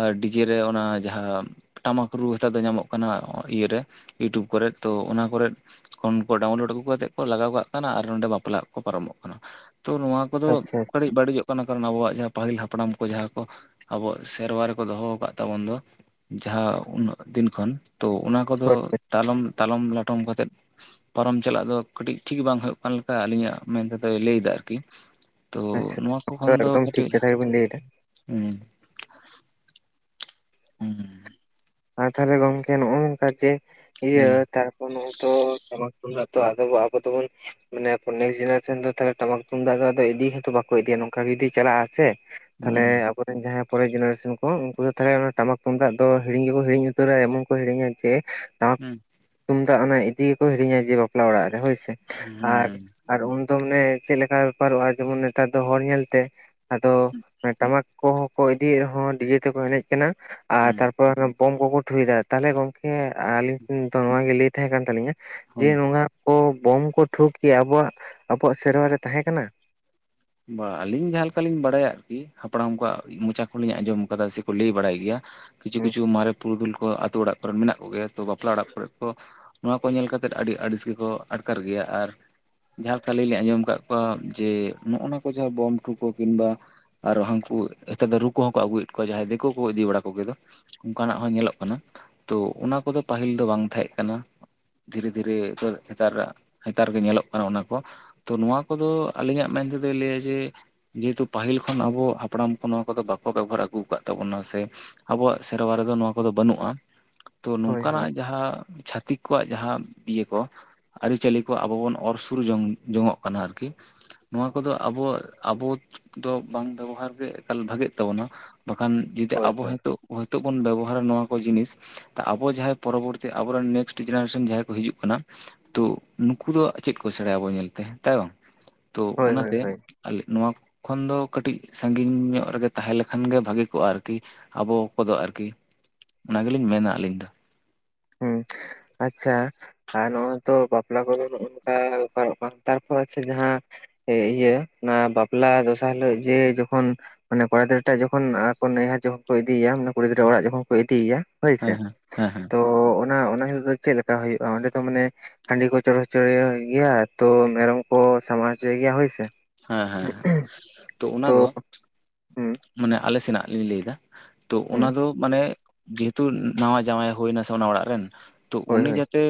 ᱟᱨ ᱰᱤᱡᱮ ᱨᱮ ᱚᱱᱟ ᱡᱟᱦᱟᱸ ᱴᱟᱢᱟᱠ ᱨᱩ ᱦᱮᱛᱟ ᱫᱚ ᱧᱟᱢᱚᱜ ᱠᱟᱱᱟ ᱤᱭᱟᱹᱨᱮ ᱤᱭᱩᱴᱩᱵᱽ ᱠᱚᱨᱮᱜ ᱛᱚ ᱚᱱᱟ ᱠᱚᱨᱮᱜ ᱠᱷᱚᱱ ᱠᱚ ᱰᱟᱣᱩᱱᱞᱳᱰ ᱟᱹᱜᱩ ᱠᱟᱛᱮᱫ ᱠᱚ ᱞᱟᱜᱟᱣ ᱠᱟᱜ ᱠᱟᱱᱟ ᱟᱨ ᱱᱚᱰᱮ ᱵᱟᱯᱞᱟᱜ ᱠᱚ ᱯᱟᱨᱚᱢᱚᱜ ᱠᱟᱱᱟ ᱛᱚ ᱱᱚᱶᱟ ᱠᱚᱫᱚ ᱟᱪᱪᱷᱟ ᱟᱪᱪᱷᱟ ᱠᱟᱹᱴᱤᱡ ᱵᱟᱹᱲᱤᱡᱚᱜ ᱠᱟᱱᱟ ᱠᱟᱨᱚᱱ ᱟᱵᱚᱣᱟᱜ ᱡᱟᱦᱟᱸ ᱯᱟᱹᱦᱤᱞ ᱦᱟᱯᱲᱟᱢ ᱠᱚ ᱡᱟᱦᱟᱸ ᱠᱚ ᱟᱵᱚᱣᱟᱜ ᱥᱮᱨᱣᱟ ᱨᱮ ᱠᱚ ᱫᱚᱦᱚ ᱠᱟᱫ ᱛᱟᱵᱚᱱ ᱫᱚ ᱡᱟᱦᱟᱸ ᱩᱱᱟᱹᱜ ᱫᱤᱱ ᱠᱷᱚᱱ ᱛᱚ ᱚᱱᱟ ᱠᱚ ᱫᱚ ᱦᱳᱭ ᱦᱳᱭ ᱛᱟᱞᱚᱢ ᱛᱟᱞᱚᱢ ᱞᱚᱴᱚᱢ ᱠᱟᱛᱮᱫ ᱯᱟᱨᱚᱢ ᱪᱟᱞᱟᱜ ᱫᱚ ᱠᱟᱹᱴᱤᱡ ᱴᱷᱤᱠ ᱵᱟᱝ ᱦᱩᱭᱩᱜ ᱠᱟᱱ ᱞᱮᱠᱟ ᱟᱹᱞᱤᱧᱼᱟᱜ ᱢᱮᱱ ᱛᱮᱫᱚᱭ ᱞᱟᱹᱭᱫᱟ ᱟᱨᱠᱤ ᱛᱚ ᱟᱪᱪᱷᱟ ᱱᱚᱶᱟ ᱠᱚ ᱟᱪᱪᱷᱟ ᱠᱷᱚᱱ ᱫᱚ ᱮᱠᱫᱚᱢ ᱴᱷᱤᱠ ᱠᱟᱹᱴᱤᱡ ᱠᱟᱛᱷᱟ ᱜᱮᱵᱤᱱ ᱞᱟᱹᱭ ᱮᱫᱟ ᱦᱩᱸ [unintelligible] ᱟᱨ ᱛᱟᱦᱚᱞᱮ ᱜᱚᱝᱠᱮ ᱱᱚᱜ ᱱᱚᱝᱠᱟ ᱡᱮ ᱤᱭᱟᱹ ᱛᱟ ᱛᱚ ᱱᱚᱳᱱ ᱛᱚ ᱴᱟᱢᱟᱠ ᱛᱩᱢᱫᱟ ᱟᱵᱚ ᱫᱚᱵᱚᱱ ᱢᱟᱱᱮ ᱯᱩᱱᱮ ᱡᱮᱱᱟᱨᱮᱥᱚᱱ ᱫᱚ ᱴᱟᱢᱟᱠ ᱛᱩᱢᱫᱟᱜ ᱫᱚ ᱟᱫᱚ ᱤᱫᱤ ᱜᱮᱛᱚ ᱵᱟᱠᱚ ᱤᱫᱤᱭᱟ ᱱᱚᱝᱠᱟ ᱡᱩᱫᱤ ᱪᱟᱞᱟᱜᱼᱟ ᱥᱮ ᱛᱟᱦᱞᱮ ᱟᱵᱚᱨᱮᱱ ᱡᱟᱦᱟᱸ ᱯᱚᱨᱮ ᱡᱮᱱᱟᱨᱮᱥᱚᱱ ᱠᱚ ᱩᱱᱠᱩ ᱫᱚ ᱛᱟᱦᱞᱮ ᱚᱱᱟ ᱴᱟᱢᱟᱠ ᱛᱩᱢᱫᱟᱜ ᱫᱚ ᱦᱤᱲᱤᱧ ᱜᱮᱠᱚ ᱦᱤᱲᱤᱧ ᱩᱛᱟᱹᱨᱟ ᱮᱢᱚᱱ ᱠᱚ ᱦᱤᱲᱤᱧᱟ ᱡᱮ ᱦᱩᱧ ᱛᱩᱢᱫᱟᱜ ᱚᱱᱟ ᱤᱫᱤ ᱜᱮᱠᱚ ᱦᱤᱲᱤᱧᱟ ᱡᱮ ᱵᱟᱯᱞᱟ ᱚᱲᱟᱜ ᱨᱮ ᱦᱳᱭᱥᱮ ᱟᱨ ᱵᱟ ᱟᱨ ᱩᱱ ᱫᱚ ᱢᱟᱱᱮ ᱪᱮᱫ ᱞᱮᱠᱟ ᱵᱮᱯᱟᱨᱚᱜᱼᱟ ᱡᱮᱢᱚᱱ ᱱᱮᱛᱟᱨ ᱫᱚ ᱦᱚᱲ ᱧᱮᱞᱛᱮ ᱟᱫᱚ ᱴᱟᱢᱟᱠ ᱠᱚᱦᱚᱸ ᱠᱚ ᱤᱫᱤᱭᱮᱫ ᱨᱮᱦᱚᱸ ᱰᱤᱡᱮ ᱛᱮᱠᱚ ᱮᱱᱮᱡ ᱠᱟᱱᱟ ᱟᱨ ᱛᱟᱨᱯᱚ ᱨᱮ ᱵᱳᱢ ᱠᱚᱠᱚ ᱴᱷᱩᱭᱮᱫᱟ, ᱛᱟᱦᱚᱞᱮ ᱜᱚᱝᱠᱮ ᱟᱹᱞᱤᱧ ᱴᱷᱮᱱ ᱱᱚᱣᱟ ᱜᱮ ᱞᱟᱹᱭ ᱛᱟᱦᱮᱸ ᱠᱟᱱ ᱛᱟᱹᱞᱤᱧᱟ ᱡᱮ ᱱᱚᱣᱟ ᱠᱚ ᱵᱳᱢ ᱠᱚ ᱴᱷᱩᱠ ᱜᱮᱭᱟ ᱟᱵᱚᱣᱟᱜ ᱟᱵᱚᱣᱟᱜ ᱥᱮᱨᱣᱟ ᱨᱮ ᱛᱟᱦᱮᱸᱠᱟᱱᱟ ᱵᱟ ᱟᱹᱞᱤᱧ ᱡᱟᱦᱟᱸ ᱞᱮᱠᱟᱞᱤᱧ ᱵᱟᱲᱟᱭᱟ ᱟᱨᱠᱤ ᱦᱟᱯᱲᱟᱢ ᱠᱚᱣᱟᱜ ᱢᱚᱪᱟ ᱠᱚᱞᱤᱧ ᱟᱸᱡᱚᱢ ᱟᱠᱟᱫᱟ ᱥᱮ ᱠᱚ ᱞᱟᱹᱭ ᱵᱟᱲᱟᱭ ᱜᱮᱭᱟ ᱠᱤᱪᱷᱩ ᱠᱤᱪᱷᱩ ᱢᱟᱨᱮ ᱯᱩᱨᱩᱫᱷᱩᱞ ᱠᱚ ᱟᱹᱛᱩ ᱚᱲᱟᱜ ᱠᱚᱨᱮᱱ ᱢᱮᱱᱟᱜ ᱠᱚᱜᱮᱭᱟ ᱛᱚ ᱵᱟᱯᱞᱟ ᱚᱲᱟᱜ ᱠᱚᱨᱮ ᱠᱚ ᱱᱚᱶᱟ ᱠᱚ ᱧᱮᱞ ᱠᱟᱛᱮᱫ ᱟᱰᱤ ᱟᱹᱲᱤᱥ ᱜᱮ ᱠᱚ ᱟᱴᱠᱟᱨ ᱜᱮᱭᱟ ᱟᱨ ᱡᱟᱦᱟᱠᱟ ᱞᱤᱧ ᱟᱸᱡᱚᱢ ᱟᱠᱟᱫ ᱠᱚᱣᱟ ᱡᱮ ᱱᱚᱜ ᱱᱟ ᱠᱚ ᱵᱳᱢ ᱴᱷᱩ ᱠᱩ ᱠᱤᱢᱵᱟ ᱟᱨᱚ ᱦᱟᱱᱠᱩ ᱱᱤᱛᱚᱜ ᱫᱚ ᱨᱩ ᱠᱚᱦᱚᱸᱠᱚ ᱟᱹᱜᱩᱭᱮᱫ ᱠᱚᱣᱟ ᱡᱟᱦᱟᱸᱭ ᱫᱤᱠᱩ ᱠᱚ ᱤᱫᱤ ᱵᱟᱲᱟ ᱠᱚᱜᱮ ᱫᱚ ᱚᱱᱠᱟᱱᱟᱜ ᱦᱚᱸ ᱧᱮᱞᱚᱜ ᱠᱟᱱᱟ ᱛᱚ ᱚᱱᱟ ᱠᱚᱫᱚ ᱯᱟᱦᱤᱞ ᱫᱚ ᱵᱟᱝ ᱛᱟᱦᱮᱸ ᱠᱟᱱᱟ᱾ ᱫᱷᱤᱨᱮ ᱫᱷᱤᱨᱮ ᱱᱮᱛᱟᱨ ᱱᱮᱛᱟᱨ ᱜᱮ ᱧᱮᱞᱚᱜ ᱠᱟᱱᱟ ᱚᱱᱟ ᱠᱚ ᱛᱚ ᱱᱚᱶᱟ ᱠᱚ ᱫᱚ ᱟᱞᱤᱧᱟᱜ ᱢᱮᱱᱛᱮ ᱫᱚ ᱞᱟᱹᱭᱟ ᱡᱮ ᱡᱮᱦᱮᱛᱩ ᱯᱟᱦᱤᱞ ᱠᱷᱚᱱ ᱟᱵᱩ ᱦᱟᱯᱲᱟᱢ ᱠᱚ ᱱᱚᱶᱟ ᱠᱚ ᱫᱚ ᱵᱟᱠᱚ ᱵᱮᱵᱚᱦᱟᱨ ᱟᱹᱜᱩ ᱟᱠᱟᱫ ᱛᱟᱵᱚᱱᱟ ᱥᱮ ᱟᱵᱚᱣᱟᱜ ᱥᱮᱨᱣᱟ ᱨᱮ ᱫᱚ ᱱᱚᱣᱟ ᱠᱚ ᱫᱚ ᱵᱟᱹᱱᱩᱜᱼᱟ ᱛᱚ ᱦᱳᱭ ᱦᱳᱭ ᱱᱚᱝᱠᱟᱱᱟᱜ ᱡᱟᱦᱟᱸ ᱪᱷᱟᱛᱤᱠ ᱠᱚᱣᱟᱜ ᱡᱟᱦᱟᱸ ᱤᱭᱟᱹ ᱠᱚ ᱟᱹᱨᱤᱪᱟᱹᱞᱤ ᱠᱚ ᱟᱵᱚ ᱵᱚᱱ ᱚᱨ ᱥᱩᱨ ᱡᱚᱝ ᱡᱚᱝᱚᱜ ᱠᱟᱱᱟ ᱟᱨᱠᱤ ᱱᱚᱣᱟ ᱠᱚ ᱫᱚ ᱟᱵᱩ ᱟᱵᱩ ᱫᱚ ᱵᱟᱝ ᱵᱮᱵᱚᱦᱟᱨ ᱜᱮ ᱮᱠᱟᱞ ᱵᱷᱟᱜᱮᱜ ᱛᱟᱵᱚᱱᱟ ᱵᱟᱠᱷᱟᱱ ᱡᱩᱫᱤ ᱦᱳᱭ ᱟᱵᱚ ᱦᱳᱭ ᱦᱟᱭᱛᱳ ᱦᱳᱭᱛᱳ ᱵᱚᱱ ᱵᱮᱵᱚᱦᱟᱨᱟ ᱱᱚᱣᱟ ᱠᱚ ᱡᱤᱱᱤᱥ ᱟᱵᱚ ᱡᱟᱦᱟᱸᱭ ᱯᱚᱨᱚᱵᱚᱨᱛᱤ ᱟᱵᱚᱮᱱ ᱱᱮᱥᱴ ᱡᱮᱱᱟᱨᱮᱥᱚᱱ ᱡᱟᱦᱟᱸᱭ ᱠᱚ ᱦᱤᱡᱩᱜ ᱠᱟᱱᱟ᱾ ᱛᱩ ᱱᱩᱠᱩ ᱫᱚ ᱪᱮᱫ ᱠᱚ ᱥᱮᱬᱟᱭᱟ ᱟᱵᱚ ᱧᱮᱞᱛᱮ ᱛᱟᱭ ᱵᱟᱝ ᱛᱚ ᱦᱳᱭ ᱦᱳᱭ ᱚᱱᱟᱛᱮ ᱦᱳᱭ ᱟᱞᱤ ᱱᱚᱣᱟ ᱠᱷᱚᱱ ᱫᱚ ᱠᱟᱹᱴᱤᱡ ᱥᱟᱺᱜᱤᱧ ᱧᱚᱜ ᱨᱮ ᱜᱮ ᱛᱟᱦᱮᱸ ᱞᱮᱠᱷᱟᱱ ᱜᱮ ᱵᱷᱟᱜᱤ ᱠᱚᱜᱼᱟ ᱟᱨᱠᱤ ᱟᱵᱚ ᱠᱚ ᱫᱚ ᱟᱨᱠᱤ ᱚᱱᱟ ᱜᱮᱞᱤᱧ ᱢᱮᱱᱟ ᱟᱹᱞᱤᱧ ᱫᱚ ᱦᱩᱸ ᱟᱪᱪᱷᱟ ᱟᱨ ᱱᱚᱜᱼᱚᱭ ᱛᱚ ᱵᱟᱯᱞᱟ ᱠᱚᱫᱚ ᱱᱚᱜ ᱱᱚᱝᱠᱟ ᱱᱚᱝᱠᱟ ᱛᱟᱨᱯᱚᱨ ᱡᱟᱦᱟᱸ ᱤᱭᱟᱹ ᱚᱱᱟ ᱵᱟᱯᱞᱟ ᱫᱚᱥᱟᱨ ᱦᱤᱞᱳᱜ ᱡᱮ ᱡᱚᱠᱷᱚᱱ ᱢᱟᱱᱮ ᱠᱚᱲᱟ ᱜᱤᱫᱽᱨᱟᱹ ᱴᱟᱜ ᱡᱚᱠᱷᱚᱱ ᱱᱭᱦᱟᱹᱨ ᱡᱚᱠᱷᱚᱱ ᱠᱚ ᱤᱫᱮ ᱢᱟᱱᱮ ᱠᱩᱲᱤ ᱜᱤᱫᱽᱨᱟᱹ ᱚᱲᱟᱜ ᱡᱚᱠᱷᱚᱱ ᱠᱚ ᱤᱫᱤᱭᱮᱭᱟ ᱦᱳᱭ ᱥᱮ ᱦᱮᱸ ᱦᱮᱸ ᱦᱮᱸ ᱦᱮᱸ ᱛᱚ ᱚᱱᱟ ᱚᱱᱟ ᱦᱤᱥᱟᱹᱛᱮ ᱪᱮᱫ ᱞᱮᱠᱟ ᱦᱩᱭᱩᱜᱼᱟ ᱚᱸᱰᱮ ᱫᱚ ᱢᱟᱱᱮ ᱦᱟᱺᱰᱤ ᱠᱚ ᱪᱚᱲ ᱜᱮᱭᱟ ᱛᱚ ᱢᱮᱨᱚᱢ ᱠᱚ ᱥᱟᱢᱟᱜ ᱦᱚᱪᱚ ᱜᱮᱭᱟ ᱦᱳᱭ ᱥᱮ ᱦᱮᱸ ᱦᱮᱸ ᱦᱮᱸ ᱛᱚ ᱚᱱᱟ ᱫᱚ ᱦᱩᱸ ᱢᱟᱱᱮ ᱟᱞᱮ ᱥᱮᱱᱟᱜ ᱞᱤᱧ ᱞᱟᱹᱭ ᱮᱫᱟ ᱛᱚ ᱦᱩᱸ ᱚᱱᱟ ᱫᱚ ᱢᱟᱱᱮ ᱡᱮᱦᱮᱛᱩ ᱱᱟᱣᱟ ᱡᱟᱶᱟᱭ ᱦᱩᱭ ᱱᱟ ᱥᱮ ᱚᱱᱟ ᱚᱲᱟᱜ ᱨᱮᱱ ᱛᱚ ᱦᱳᱭ ᱩᱱᱤ ᱦᱳᱭ ᱡᱟᱛᱮ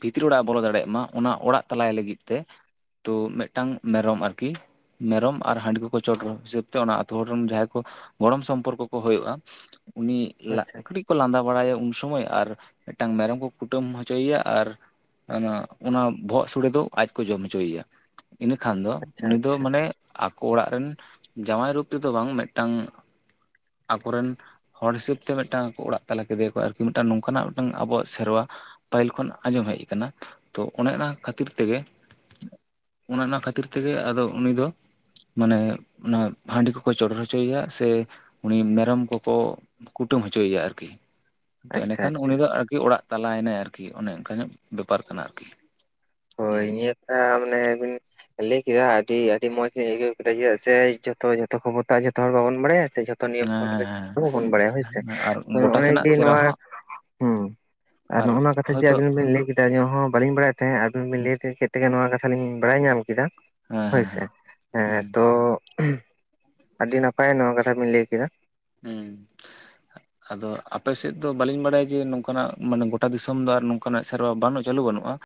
ᱵᱷᱤᱛᱤᱨ ᱚᱲᱟᱜ ᱮ ᱵᱚᱞᱚ ᱫᱟᱲᱮᱭᱟᱜ ᱢᱟ ᱚᱱᱟ ᱚᱲᱟᱜ ᱛᱟᱞᱟᱭ ᱞᱟᱹᱜᱤᱫ ᱛᱮ ᱛᱚ ᱢᱤᱫᱴᱟᱝ ᱢᱮᱨᱚᱢ ᱟᱨ ᱠᱤ ᱢᱮᱨᱚᱢ ᱟᱨ ᱦᱟᱺᱰᱤ ᱠᱚᱠᱚ ᱪᱚᱴᱚᱨ ᱦᱤᱥᱟᱹᱵ ᱛᱮ ᱚᱱᱟ ᱟᱛᱳ ᱦᱚᱲ ᱨᱮᱱ ᱡᱟᱦᱟᱸᱭ ᱠᱚ ᱜᱚᱲᱚᱢ ᱥᱚᱢᱯᱚᱨᱠᱚ ᱠᱚ ᱦᱩᱭᱩᱜᱼᱟ ᱩᱱᱤ ᱞᱟᱜ ᱟᱪᱪᱷᱟ ᱠᱟᱹᱴᱤᱡ ᱠᱚ ᱞᱟᱸᱫᱟ ᱵᱟᱲᱟᱭᱟ ᱩᱱ ᱥᱚᱢᱚᱭ ᱟᱨ ᱢᱤᱫᱴᱟᱝ ᱢᱮᱨᱚᱢ ᱠᱚ ᱠᱩᱴᱟᱹᱢ ᱦᱚᱪᱚᱭᱮᱭᱟ ᱟᱨ ᱚᱱᱟ ᱚᱱᱟ ᱵᱚᱦᱚᱜ ᱥᱚᱲᱮ ᱫᱚ ᱟᱡ ᱠᱚ ᱡᱚᱢ ᱦᱚᱪᱚᱭᱮᱭᱟ ᱤᱱᱟᱹᱠᱷᱟᱱ ᱫᱚ ᱟᱪᱪᱷᱟ ᱩᱱᱤ ᱫᱚ ᱟᱪᱪᱷᱟ ᱢᱟᱱᱮ ᱟᱠᱚ ᱚᱲᱟᱜ ᱨᱮᱱ ᱡᱟᱶᱟᱭ ᱨᱩᱯ ᱛᱮᱫᱚ ᱵᱟᱝ ᱢᱤᱫᱴᱟᱝ ᱟᱠᱚᱨᱤᱱ ᱦᱚᱲ ᱦᱤᱥᱟᱹᱵ ᱛᱮ ᱢᱤᱫᱴᱟᱝ ᱠᱚ ᱚᱲᱟᱜ ᱛᱟᱞᱟ ᱠᱮᱫᱮᱭᱟ ᱠᱚ ᱟᱨᱠᱤ ᱢᱤᱫᱴᱟᱝ ᱱᱚᱝᱠᱟᱱᱟᱜ ᱢᱤᱫᱴᱟᱝ ᱟᱵᱚᱣᱟᱜ ᱥᱮᱨᱣᱟ ᱯᱟᱹᱦᱤᱞ ᱠᱷᱚᱱ ᱟᱸᱡᱚᱢ ᱦᱮᱡ ᱠᱟᱱᱟ ᱛᱚ ᱚᱱᱮ ᱚᱱᱟ ᱠᱷᱟᱹᱛᱤᱨ ᱛᱮᱜᱮ ᱚᱱᱮ ᱚᱱᱟ ᱠᱷᱟᱹᱛᱤᱨ ᱛᱮᱜᱮ ᱟᱫᱚ ᱩᱱᱤ ᱫᱚ ᱢᱟᱱᱮ ᱚᱱᱟ ᱦᱟᱺᱰᱤ ᱠᱚᱠᱚ ᱪᱚᱰᱚᱨ ᱦᱚᱪᱚᱭᱮᱭᱟ ᱥᱮ ᱩᱱᱤ ᱢᱮᱨᱚᱢ ᱠᱚᱠᱚ ᱠᱩᱴᱟᱹᱢ ᱦᱚᱪᱚᱭᱮᱭᱟ ᱟᱨᱠᱤ ᱮᱱᱛᱮ ᱟᱪᱪᱷᱟ ᱮᱸᱰᱮᱠᱷᱟᱱ ᱟᱪᱪᱷᱟ ᱩᱱᱤ ᱫᱚ ᱟᱨᱠᱤ ᱚᱲᱟᱜ ᱛᱟᱞᱟᱭᱮᱱᱟᱭ ᱟᱨᱠᱤ ᱚᱱᱮ ᱚᱱᱠᱟ ᱧᱚᱜ ᱵᱮᱯᱟᱨ ᱠᱟᱱᱟ ᱟᱨᱠᱤ ᱦᱳᱭ ᱦᱮᱸ ᱱᱤᱭᱟᱹ ᱢᱟᱱᱮ ᱟᱹᱵᱤᱱ [inaudible] ᱞᱟᱹᱭ ᱠᱮᱫᱟ ᱟᱹᱰᱤ ᱟᱹᱰᱤ ᱢᱚᱸᱡᱽᱤᱧ ᱟᱹᱭᱠᱟᱹᱣ ᱠᱮᱫᱟ ᱪᱮᱫᱟᱜ ᱥᱮ ᱡᱚᱛᱚ ᱡᱚᱛᱚ ᱠᱷᱚᱢᱚᱛᱟ ᱡᱷᱚᱛᱚ ᱦᱚᱲ ᱵᱟᱵᱚᱱ ᱵᱟᱲᱟᱭᱟ ᱥᱮ ᱱᱤᱭᱚᱢ ᱠᱚᱨᱮᱫᱚ ᱦᱮᱸ ᱵᱟᱵᱚᱱ ᱵᱟᱲᱟᱭᱟ ᱦᱳᱭᱥᱮ ᱦᱮᱸ ᱟᱨ ᱜᱚᱴᱟ ᱱᱚᱜᱼᱚᱭ ᱥᱮᱱᱟᱜ ᱡᱮ ᱥᱮ ᱱᱚᱣᱟ ᱨᱮᱦᱚᱸ ᱦᱚᱸ ᱟᱨ ᱱᱚᱜᱼᱚᱭ ᱱᱚᱣᱟ ᱠᱟᱛᱷᱟ ᱡᱮ ᱟᱵᱤᱱ ᱵᱮᱤᱴᱱ ᱞᱟᱹᱭ ᱠᱮᱫᱟ ᱮᱱ ᱦᱚᱸ ᱵᱟᱞᱤᱧ ᱵᱟᱲᱟᱭ ᱛᱟᱦᱮᱸᱫ ᱟᱵᱤᱱ ᱵᱤᱱ ᱞᱟᱹᱭᱮᱫ ᱠᱮᱫ ᱛᱮᱜᱮ ᱱᱚᱣᱟ ᱠᱟᱛᱷᱟ ᱞᱤᱧ ᱵᱟᱲᱟᱭ ᱧᱟᱢ ᱠᱮᱫᱟ ᱦᱮᱸ ᱦᱳᱭ ᱦᱮᱸ ᱥᱮ ᱦᱮᱸ ᱛᱚ ᱟᱹᱰᱤ ᱱᱟᱯᱟᱭ ᱱᱚᱣᱟ ᱠᱟᱛᱷᱟ ᱵᱤᱱ ᱞᱟᱹᱭ ᱠᱮᱫᱟ ᱦᱩᱸ [inaudible] ᱟᱫᱚ ᱟᱯᱮᱥᱮᱫ ᱫᱚ ᱵᱟᱟᱹᱞᱤᱧ ᱵᱟᱲᱟᱭᱟ ᱡᱮ ᱱᱚᱝᱠᱟᱱᱟᱜ ᱢᱟᱱᱮ ᱜᱚᱴᱟ ᱫᱤᱥᱚᱢ ᱫᱚ ᱟᱨ ᱱᱚᱝᱠᱟᱱᱟᱜ ᱥᱮᱨᱣᱟ ᱵᱟᱹᱱᱩᱜ ᱪᱟᱹᱞᱩ ᱵᱟᱹᱱᱩᱜᱼᱟ ᱾